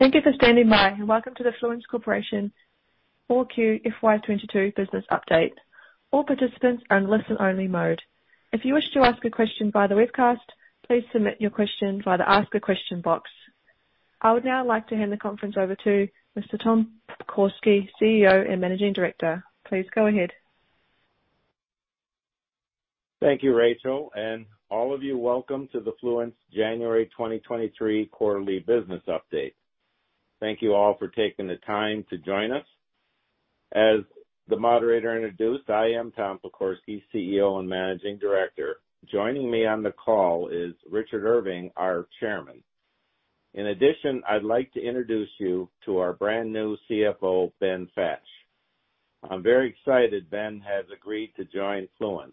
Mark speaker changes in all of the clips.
Speaker 1: Thank you for standing by, welcome to the Fluence Corporation Q4 FY 2022 business update. All participants are in listen only mode. If you wish to ask a question via the webcast, please submit your question via the Ask a Question box. I would now like to hand the conference over to Mr. Tom Pokorsky, CEO and Managing Director. Please go ahead.
Speaker 2: Thank you, Rachel, and all of you, welcome to the Fluence January 2023 quarterly business update. Thank you all for taking the time to join us. As the moderator introduced, I am Tom Pokorsky, CEO and Managing Director. Joining me on the call is Richard Irving, our Chairman. In addition, I'd like to introduce you to our brand new CFO, Ben Fash. I'm very excited Ben has agreed to join Fluence.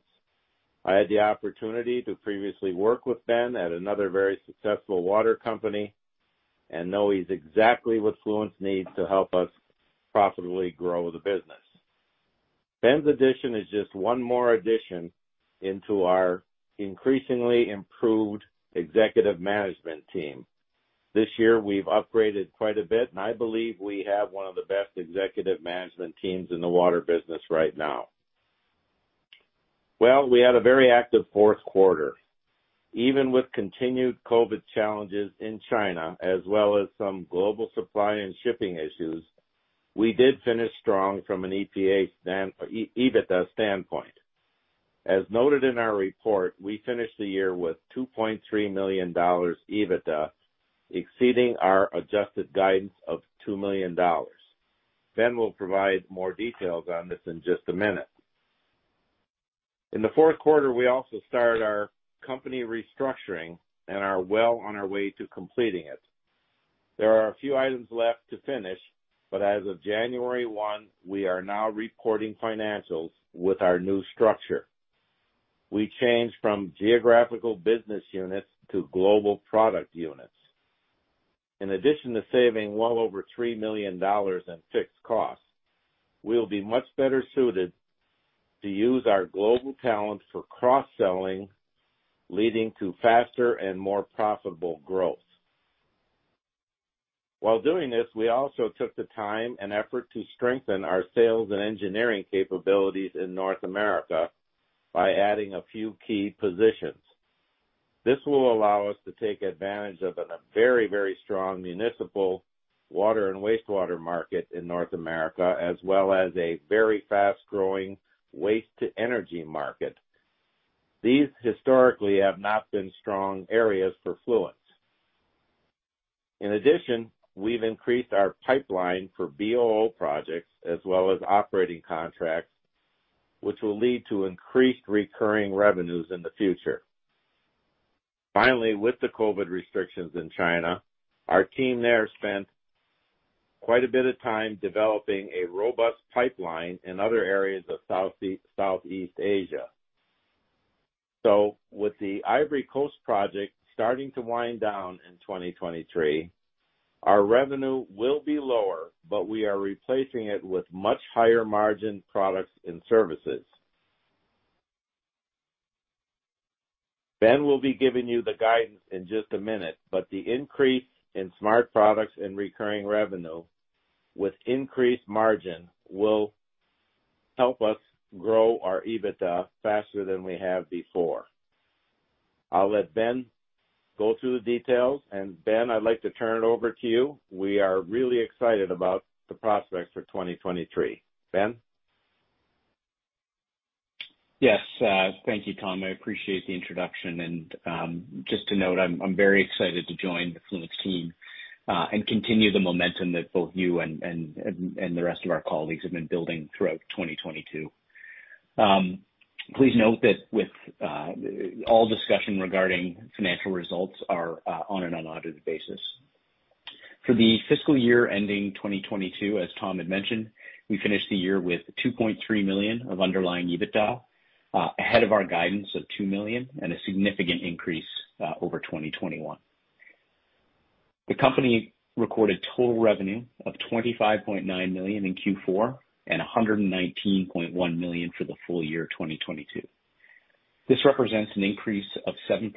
Speaker 2: I had the opportunity to previously work with Ben at another very successful water company and know he's exactly what Fluence needs to help us profitably grow the business. Ben's addition is just one more addition into our increasingly improved executive management team. This year we've upgraded quite a bit, and I believe we have one of the best executive management teams in the water business right now. Well, we had a very active Q4. Even with continued COVID challenges in China, as well as some global supply and shipping issues, we did finish strong from an EBITDA standpoint. As noted in our report, we finished the year with $2.3 million EBITDA, exceeding our adjusted guidance of $2 million. Ben will provide more details on this in just a minute. In the Q4, we also started our company restructuring and are well on our way to completing it. There are a few items left to finish. As of January 1, we are now reporting financials with our new structure. We changed from geographical business units to global product units. In addition to saving well over $3 million in fixed costs, we'll be much better suited to use our global talent for cross-selling, leading to faster and more profitable growth. While doing this, we also took the time and effort to strengthen our sales and engineering capabilities in North America by adding a few key positions. This will allow us to take advantage of a very, very strong municipal water and wastewater market in North America, as well as a very fast-growing waste-to-energy market. These historically have not been strong areas for Fluence. In addition, we've increased our pipeline for BOO projects as well as operating contracts, which will lead to increased recurring revenues in the future. Finally, with the COVID restrictions in China, our team there spent quite a bit of time developing a robust pipeline in other areas of Southeast Asia. With the Ivory Coast project starting to wind down in 2023, our revenue will be lower, but we are replacing it with much higher margin products and services. The increase in smart products and recurring revenue with increased margin will help us grow our EBITDA faster than we have before. I'll let Ben go through the details. Ben, I'd like to turn it over to you. We are really excited about the prospects for 2023. Ben?
Speaker 3: Yes. Thank you, Tom. I appreciate the introduction and just to note, I'm very excited to join the Fluence team and continue the momentum that both you and the rest of our colleagues have been building throughout 2022. Please note that with all discussion regarding financial results are on an unaudited basis. For the fiscal year ending 2022, as Tom had mentioned, we finished the year with $2.3 million of underlying EBITDA ahead of our guidance of $2 million and a significant increase over 2021. The company recorded total revenue of $25.9 million in Q4 and $119.1 million for the full year 2022. This represents an increase of 7%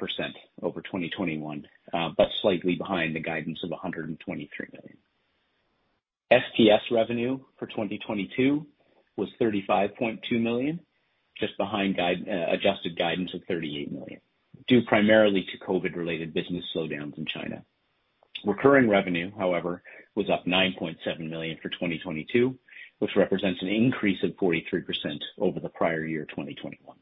Speaker 3: over 2021, but slightly behind the guidance of $123 million. SPS revenue for 2022 was $35.2 million, just behind adjusted guidance of $38 million, due primarily to COVID-related business slowdowns in China. Recurring revenue, however, was up $9.7 million for 2022, which represents an increase of 43% over the prior year, 2021.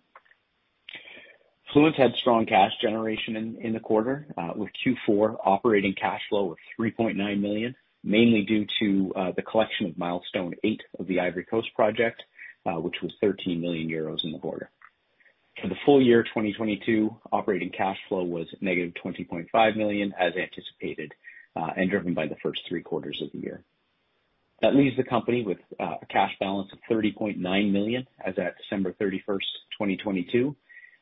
Speaker 3: Fluence had strong cash generation in the quarter, with Q4 operating cash flow of $3.9 million, mainly due to the collection of milestone eight of the Ivory Coast project, which was 13 million euros in the quarter. For the full year 2022, operating cash flow was -$20.5 million, as anticipated, driven by the first three quarters of the year. That leaves the company with a cash balance of $30.9 million as at December 31, 2022,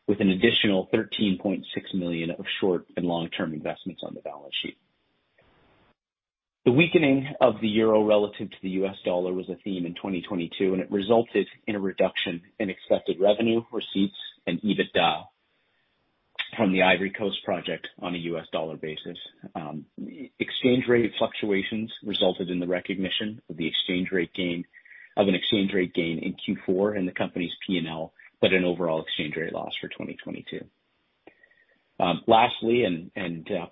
Speaker 3: with an additional $13.6 million of short and long-term investments on the balance sheet. The weakening of the euro relative to the US dollar was a theme in 2022, and it resulted in a reduction in expected revenue, receipts and EBITDA. From the Ivory Coast project on a US dollar basis. Exchange rate fluctuations resulted in the recognition of an exchange rate gain in Q4 in the company's P&L, but an overall exchange rate loss for 2022. Lastly,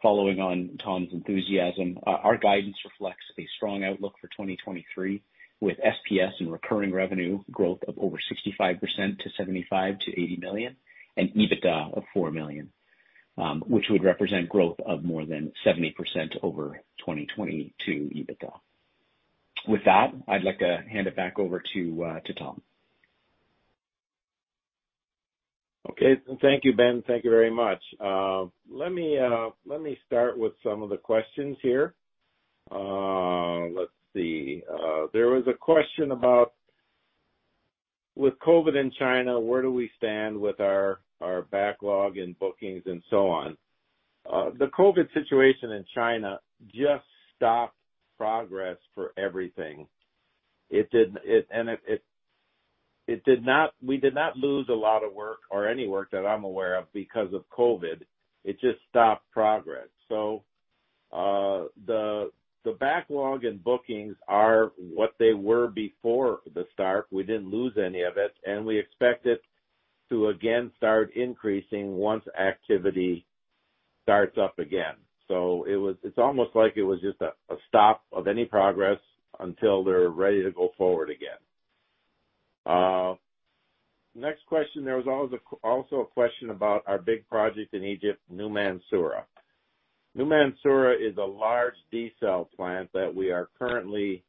Speaker 3: following on Tom's enthusiasm, our guidance reflects a strong outlook for 2023 with SPS and recurring revenue growth of over 65% to $75 to 80 million, and EBITDA of $4 million, which would represent growth of more than 70% over 2022 EBITDA. With that, I'd like to hand it back over to Tom.
Speaker 2: Okay. Thank you, Ben. Thank you very much. Let me, let me start with some of the questions here. Let's see. There was a question about, with COVID in China, where do we stand with our backlog and bookings and so on? The COVID situation in China just stopped progress for everything. We did not lose a lot of work or any work that I'm aware of because of COVID. It just stopped progress. The backlog and bookings are what they were before the start. We didn't lose any of it, and we expect it to again start increasing once activity starts up again. It was, it's almost like it was just a stop of any progress until they're ready to go forward again. Next question. There was also a question about our big project in Egypt, New Mansoura. New Mansoura is a large desal plant that we are currently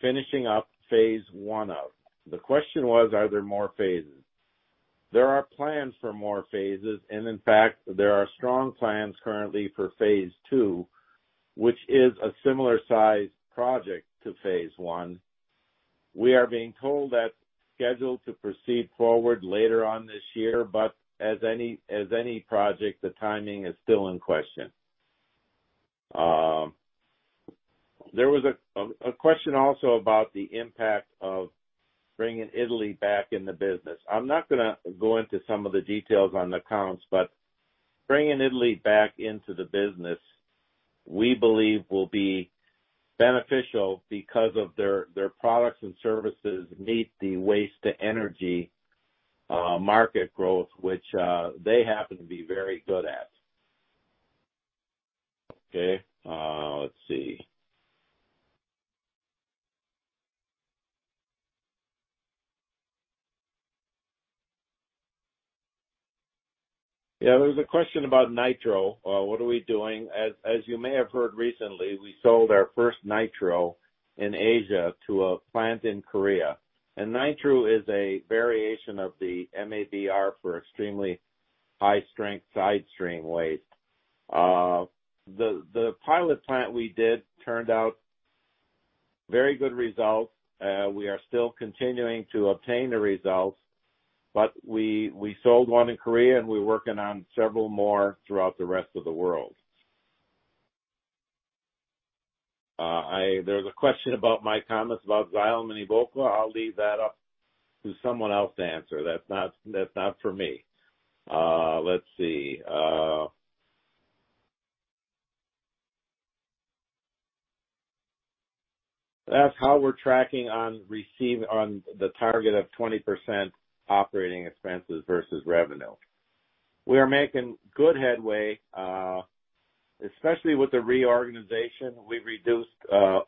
Speaker 2: finishing up phase one of. The question was, are there more phases? There are plans for more phases. In fact, there are strong plans currently for phase two, which is a similar size project to phase one. We are being told that's scheduled to proceed forward later on this year. As any project, the timing is still in question. There was a question also about the impact of bringing Italy back in the business. I'm not gonna go into some of the details on the accounts, bringing Italy back into the business, we believe will be beneficial because of their products and services meet the waste-to-energy market growth, which they happen to be very good at. Okay, let's see. Yeah, there was a question about Nitro. What are we doing? As you may have heard recently, we sold our first Nitro in Asia to a plant in Korea. Nitro is a variation of the MABR for extremely high-strength side stream waste. The pilot plant we did turned out very good results. We are still continuing to obtain the results, but we sold one in Korea, we're working on several more throughout the rest of the world. There's a question about my comments about Xylem and Evoqua. I'll leave that up to someone else to answer. That's not, that's not for me. Let's see. They ask how we're tracking on the target of 20% operating expenses versus revenue. We are making good headway, especially with the reorganization. We've reduced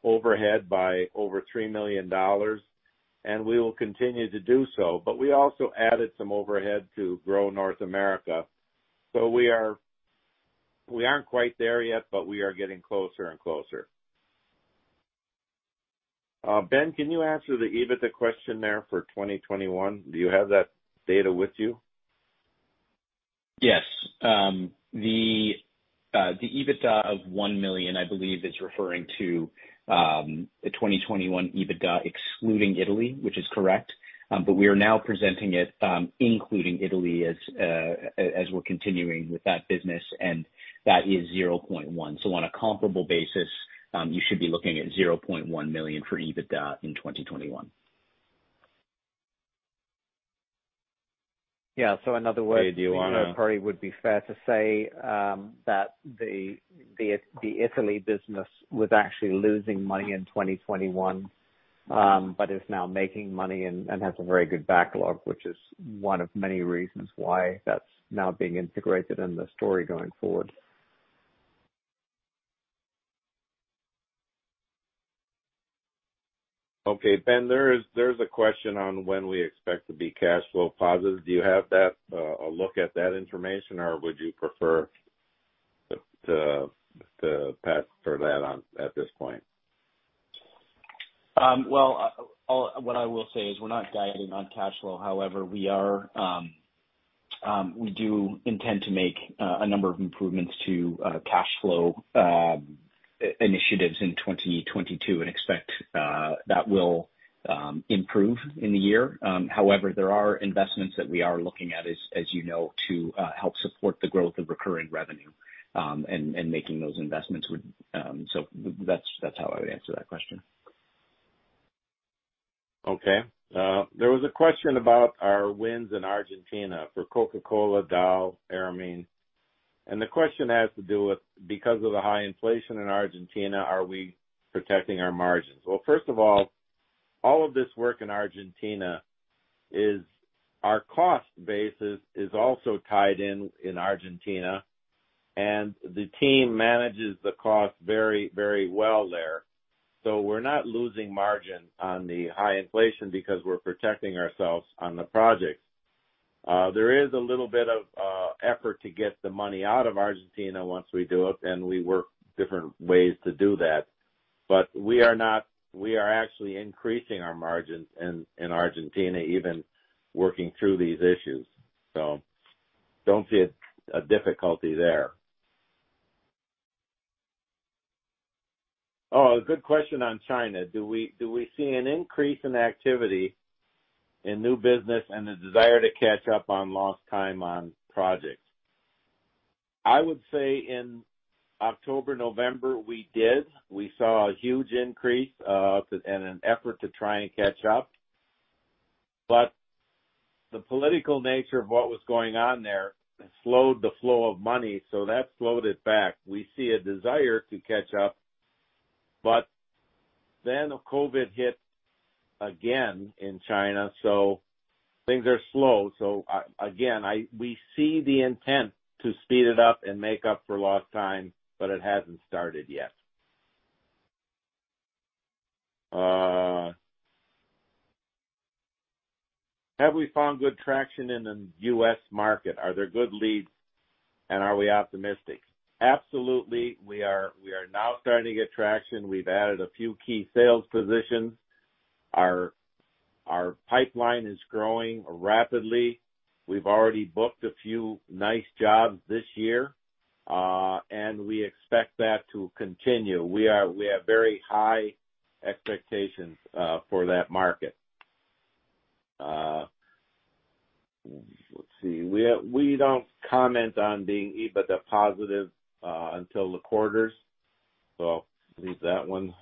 Speaker 2: overhead by over $3 million, and we will continue to do so. We also added some overhead to grow North America. We aren't quite there yet, but we are getting closer and closer. Ben, can you answer the EBITDA question there for 2021? Do you have that data with you?
Speaker 3: Yes. The EBITDA of $1 million, I believe, is referring to the 2021 EBITDA excluding Italy, which is correct. We are now presenting it, including Italy as we're continuing with that business, and that is $0.1. On a comparable basis, you should be looking at $0.1 million for EBITDA in 2021.
Speaker 4: Yeah. In other words.
Speaker 2: Hey, do you...
Speaker 4: It probably would be fair to say, that the Italy business was actually losing money in 2021, but is now making money and has a very good backlog, which is one of many reasons why that's now being integrated in the story going forward.
Speaker 2: Okay, Ben, there's a question on when we expect to be cash flow positive. Do you have that, a look at that information, or would you prefer to pass for that on at this point?
Speaker 3: Well, what I will say is we're not guiding on cash flow. We are, we do intend to make a number of improvements to cash flow initiatives in 2022 and expect that will improve in the year. There are investments that we are looking at, as you know, to help support the growth of recurring revenue, so that's how I would answer that question.
Speaker 2: Okay. There was a question about our wins in Argentina for Coca-Cola, Dow, Eramine. The question has to do with, because of the high inflation in Argentina, are we protecting our margins? Well, first of all of this work in Argentina is our cost basis is also tied in Argentina, and the team manages the cost very, very well there. We're not losing margin on the high inflation because we're protecting ourselves on the projects. There is a little bit of effort to get the money out of Argentina once we do it, and we work different ways to do that. We are actually increasing our margins in Argentina, even working through these issues. Don't see a difficulty there. Oh, a good question on China. Do we see an increase in activity in new business and the desire to catch up on lost time on projects? I would say in October, November, we did. We saw a huge increase and an effort to try and catch up. The political nature of what was going on there slowed the flow of money, so that slowed it back. We see a desire to catch up, but then COVID hit again in China, so things are slow. Again, we see the intent to speed it up and make up for lost time, but it hasn't started yet. Have we found good traction in the U.S. market? Are there good leads, and are we optimistic? Absolutely, we are. We are now starting to get traction. We've added a few key sales positions. Our pipeline is growing rapidly. We've already booked a few nice jobs this year. We expect that to continue. We have very high expectations for that market. Let's see. We don't comment on being EBITDA positive until the quarters. Leave that one.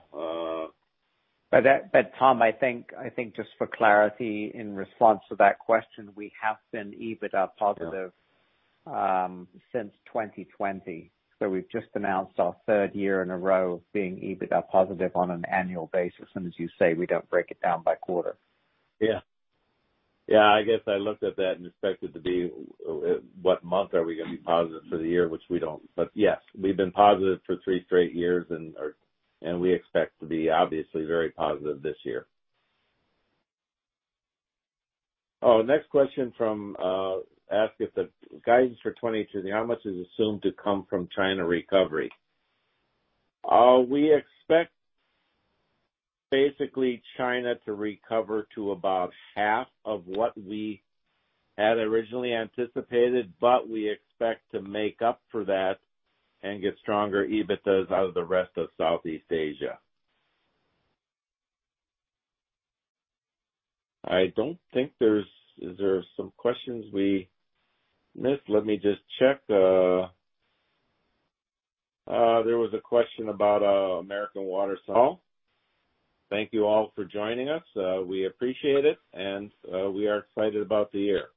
Speaker 4: Tom, I think just for clarity, in response to that question, we have been EBITDA positive since 2020. We've just announced our third year in a row of being EBITDA positive on an annual basis, and as you say, we don't break it down by quarter.
Speaker 2: Yeah. Yeah. I guess I looked at that and expected to be, what month are we gonna be positive for the year, which we don't. Yes, we've been positive for 3 straight years and we expect to be obviously very positive this year. Oh, next question from, ask if the guidance for 2022, how much is assumed to come from China recovery? We expect basically China to recover to about half of what we had originally anticipated, we expect to make up for that and get stronger EBITDAs out of the rest of Southeast Asia. I don't think there's. Is there some questions we missed? Let me just check. There was a question about American Water. Thank you all for joining us. We appreciate it, and we are excited about the year.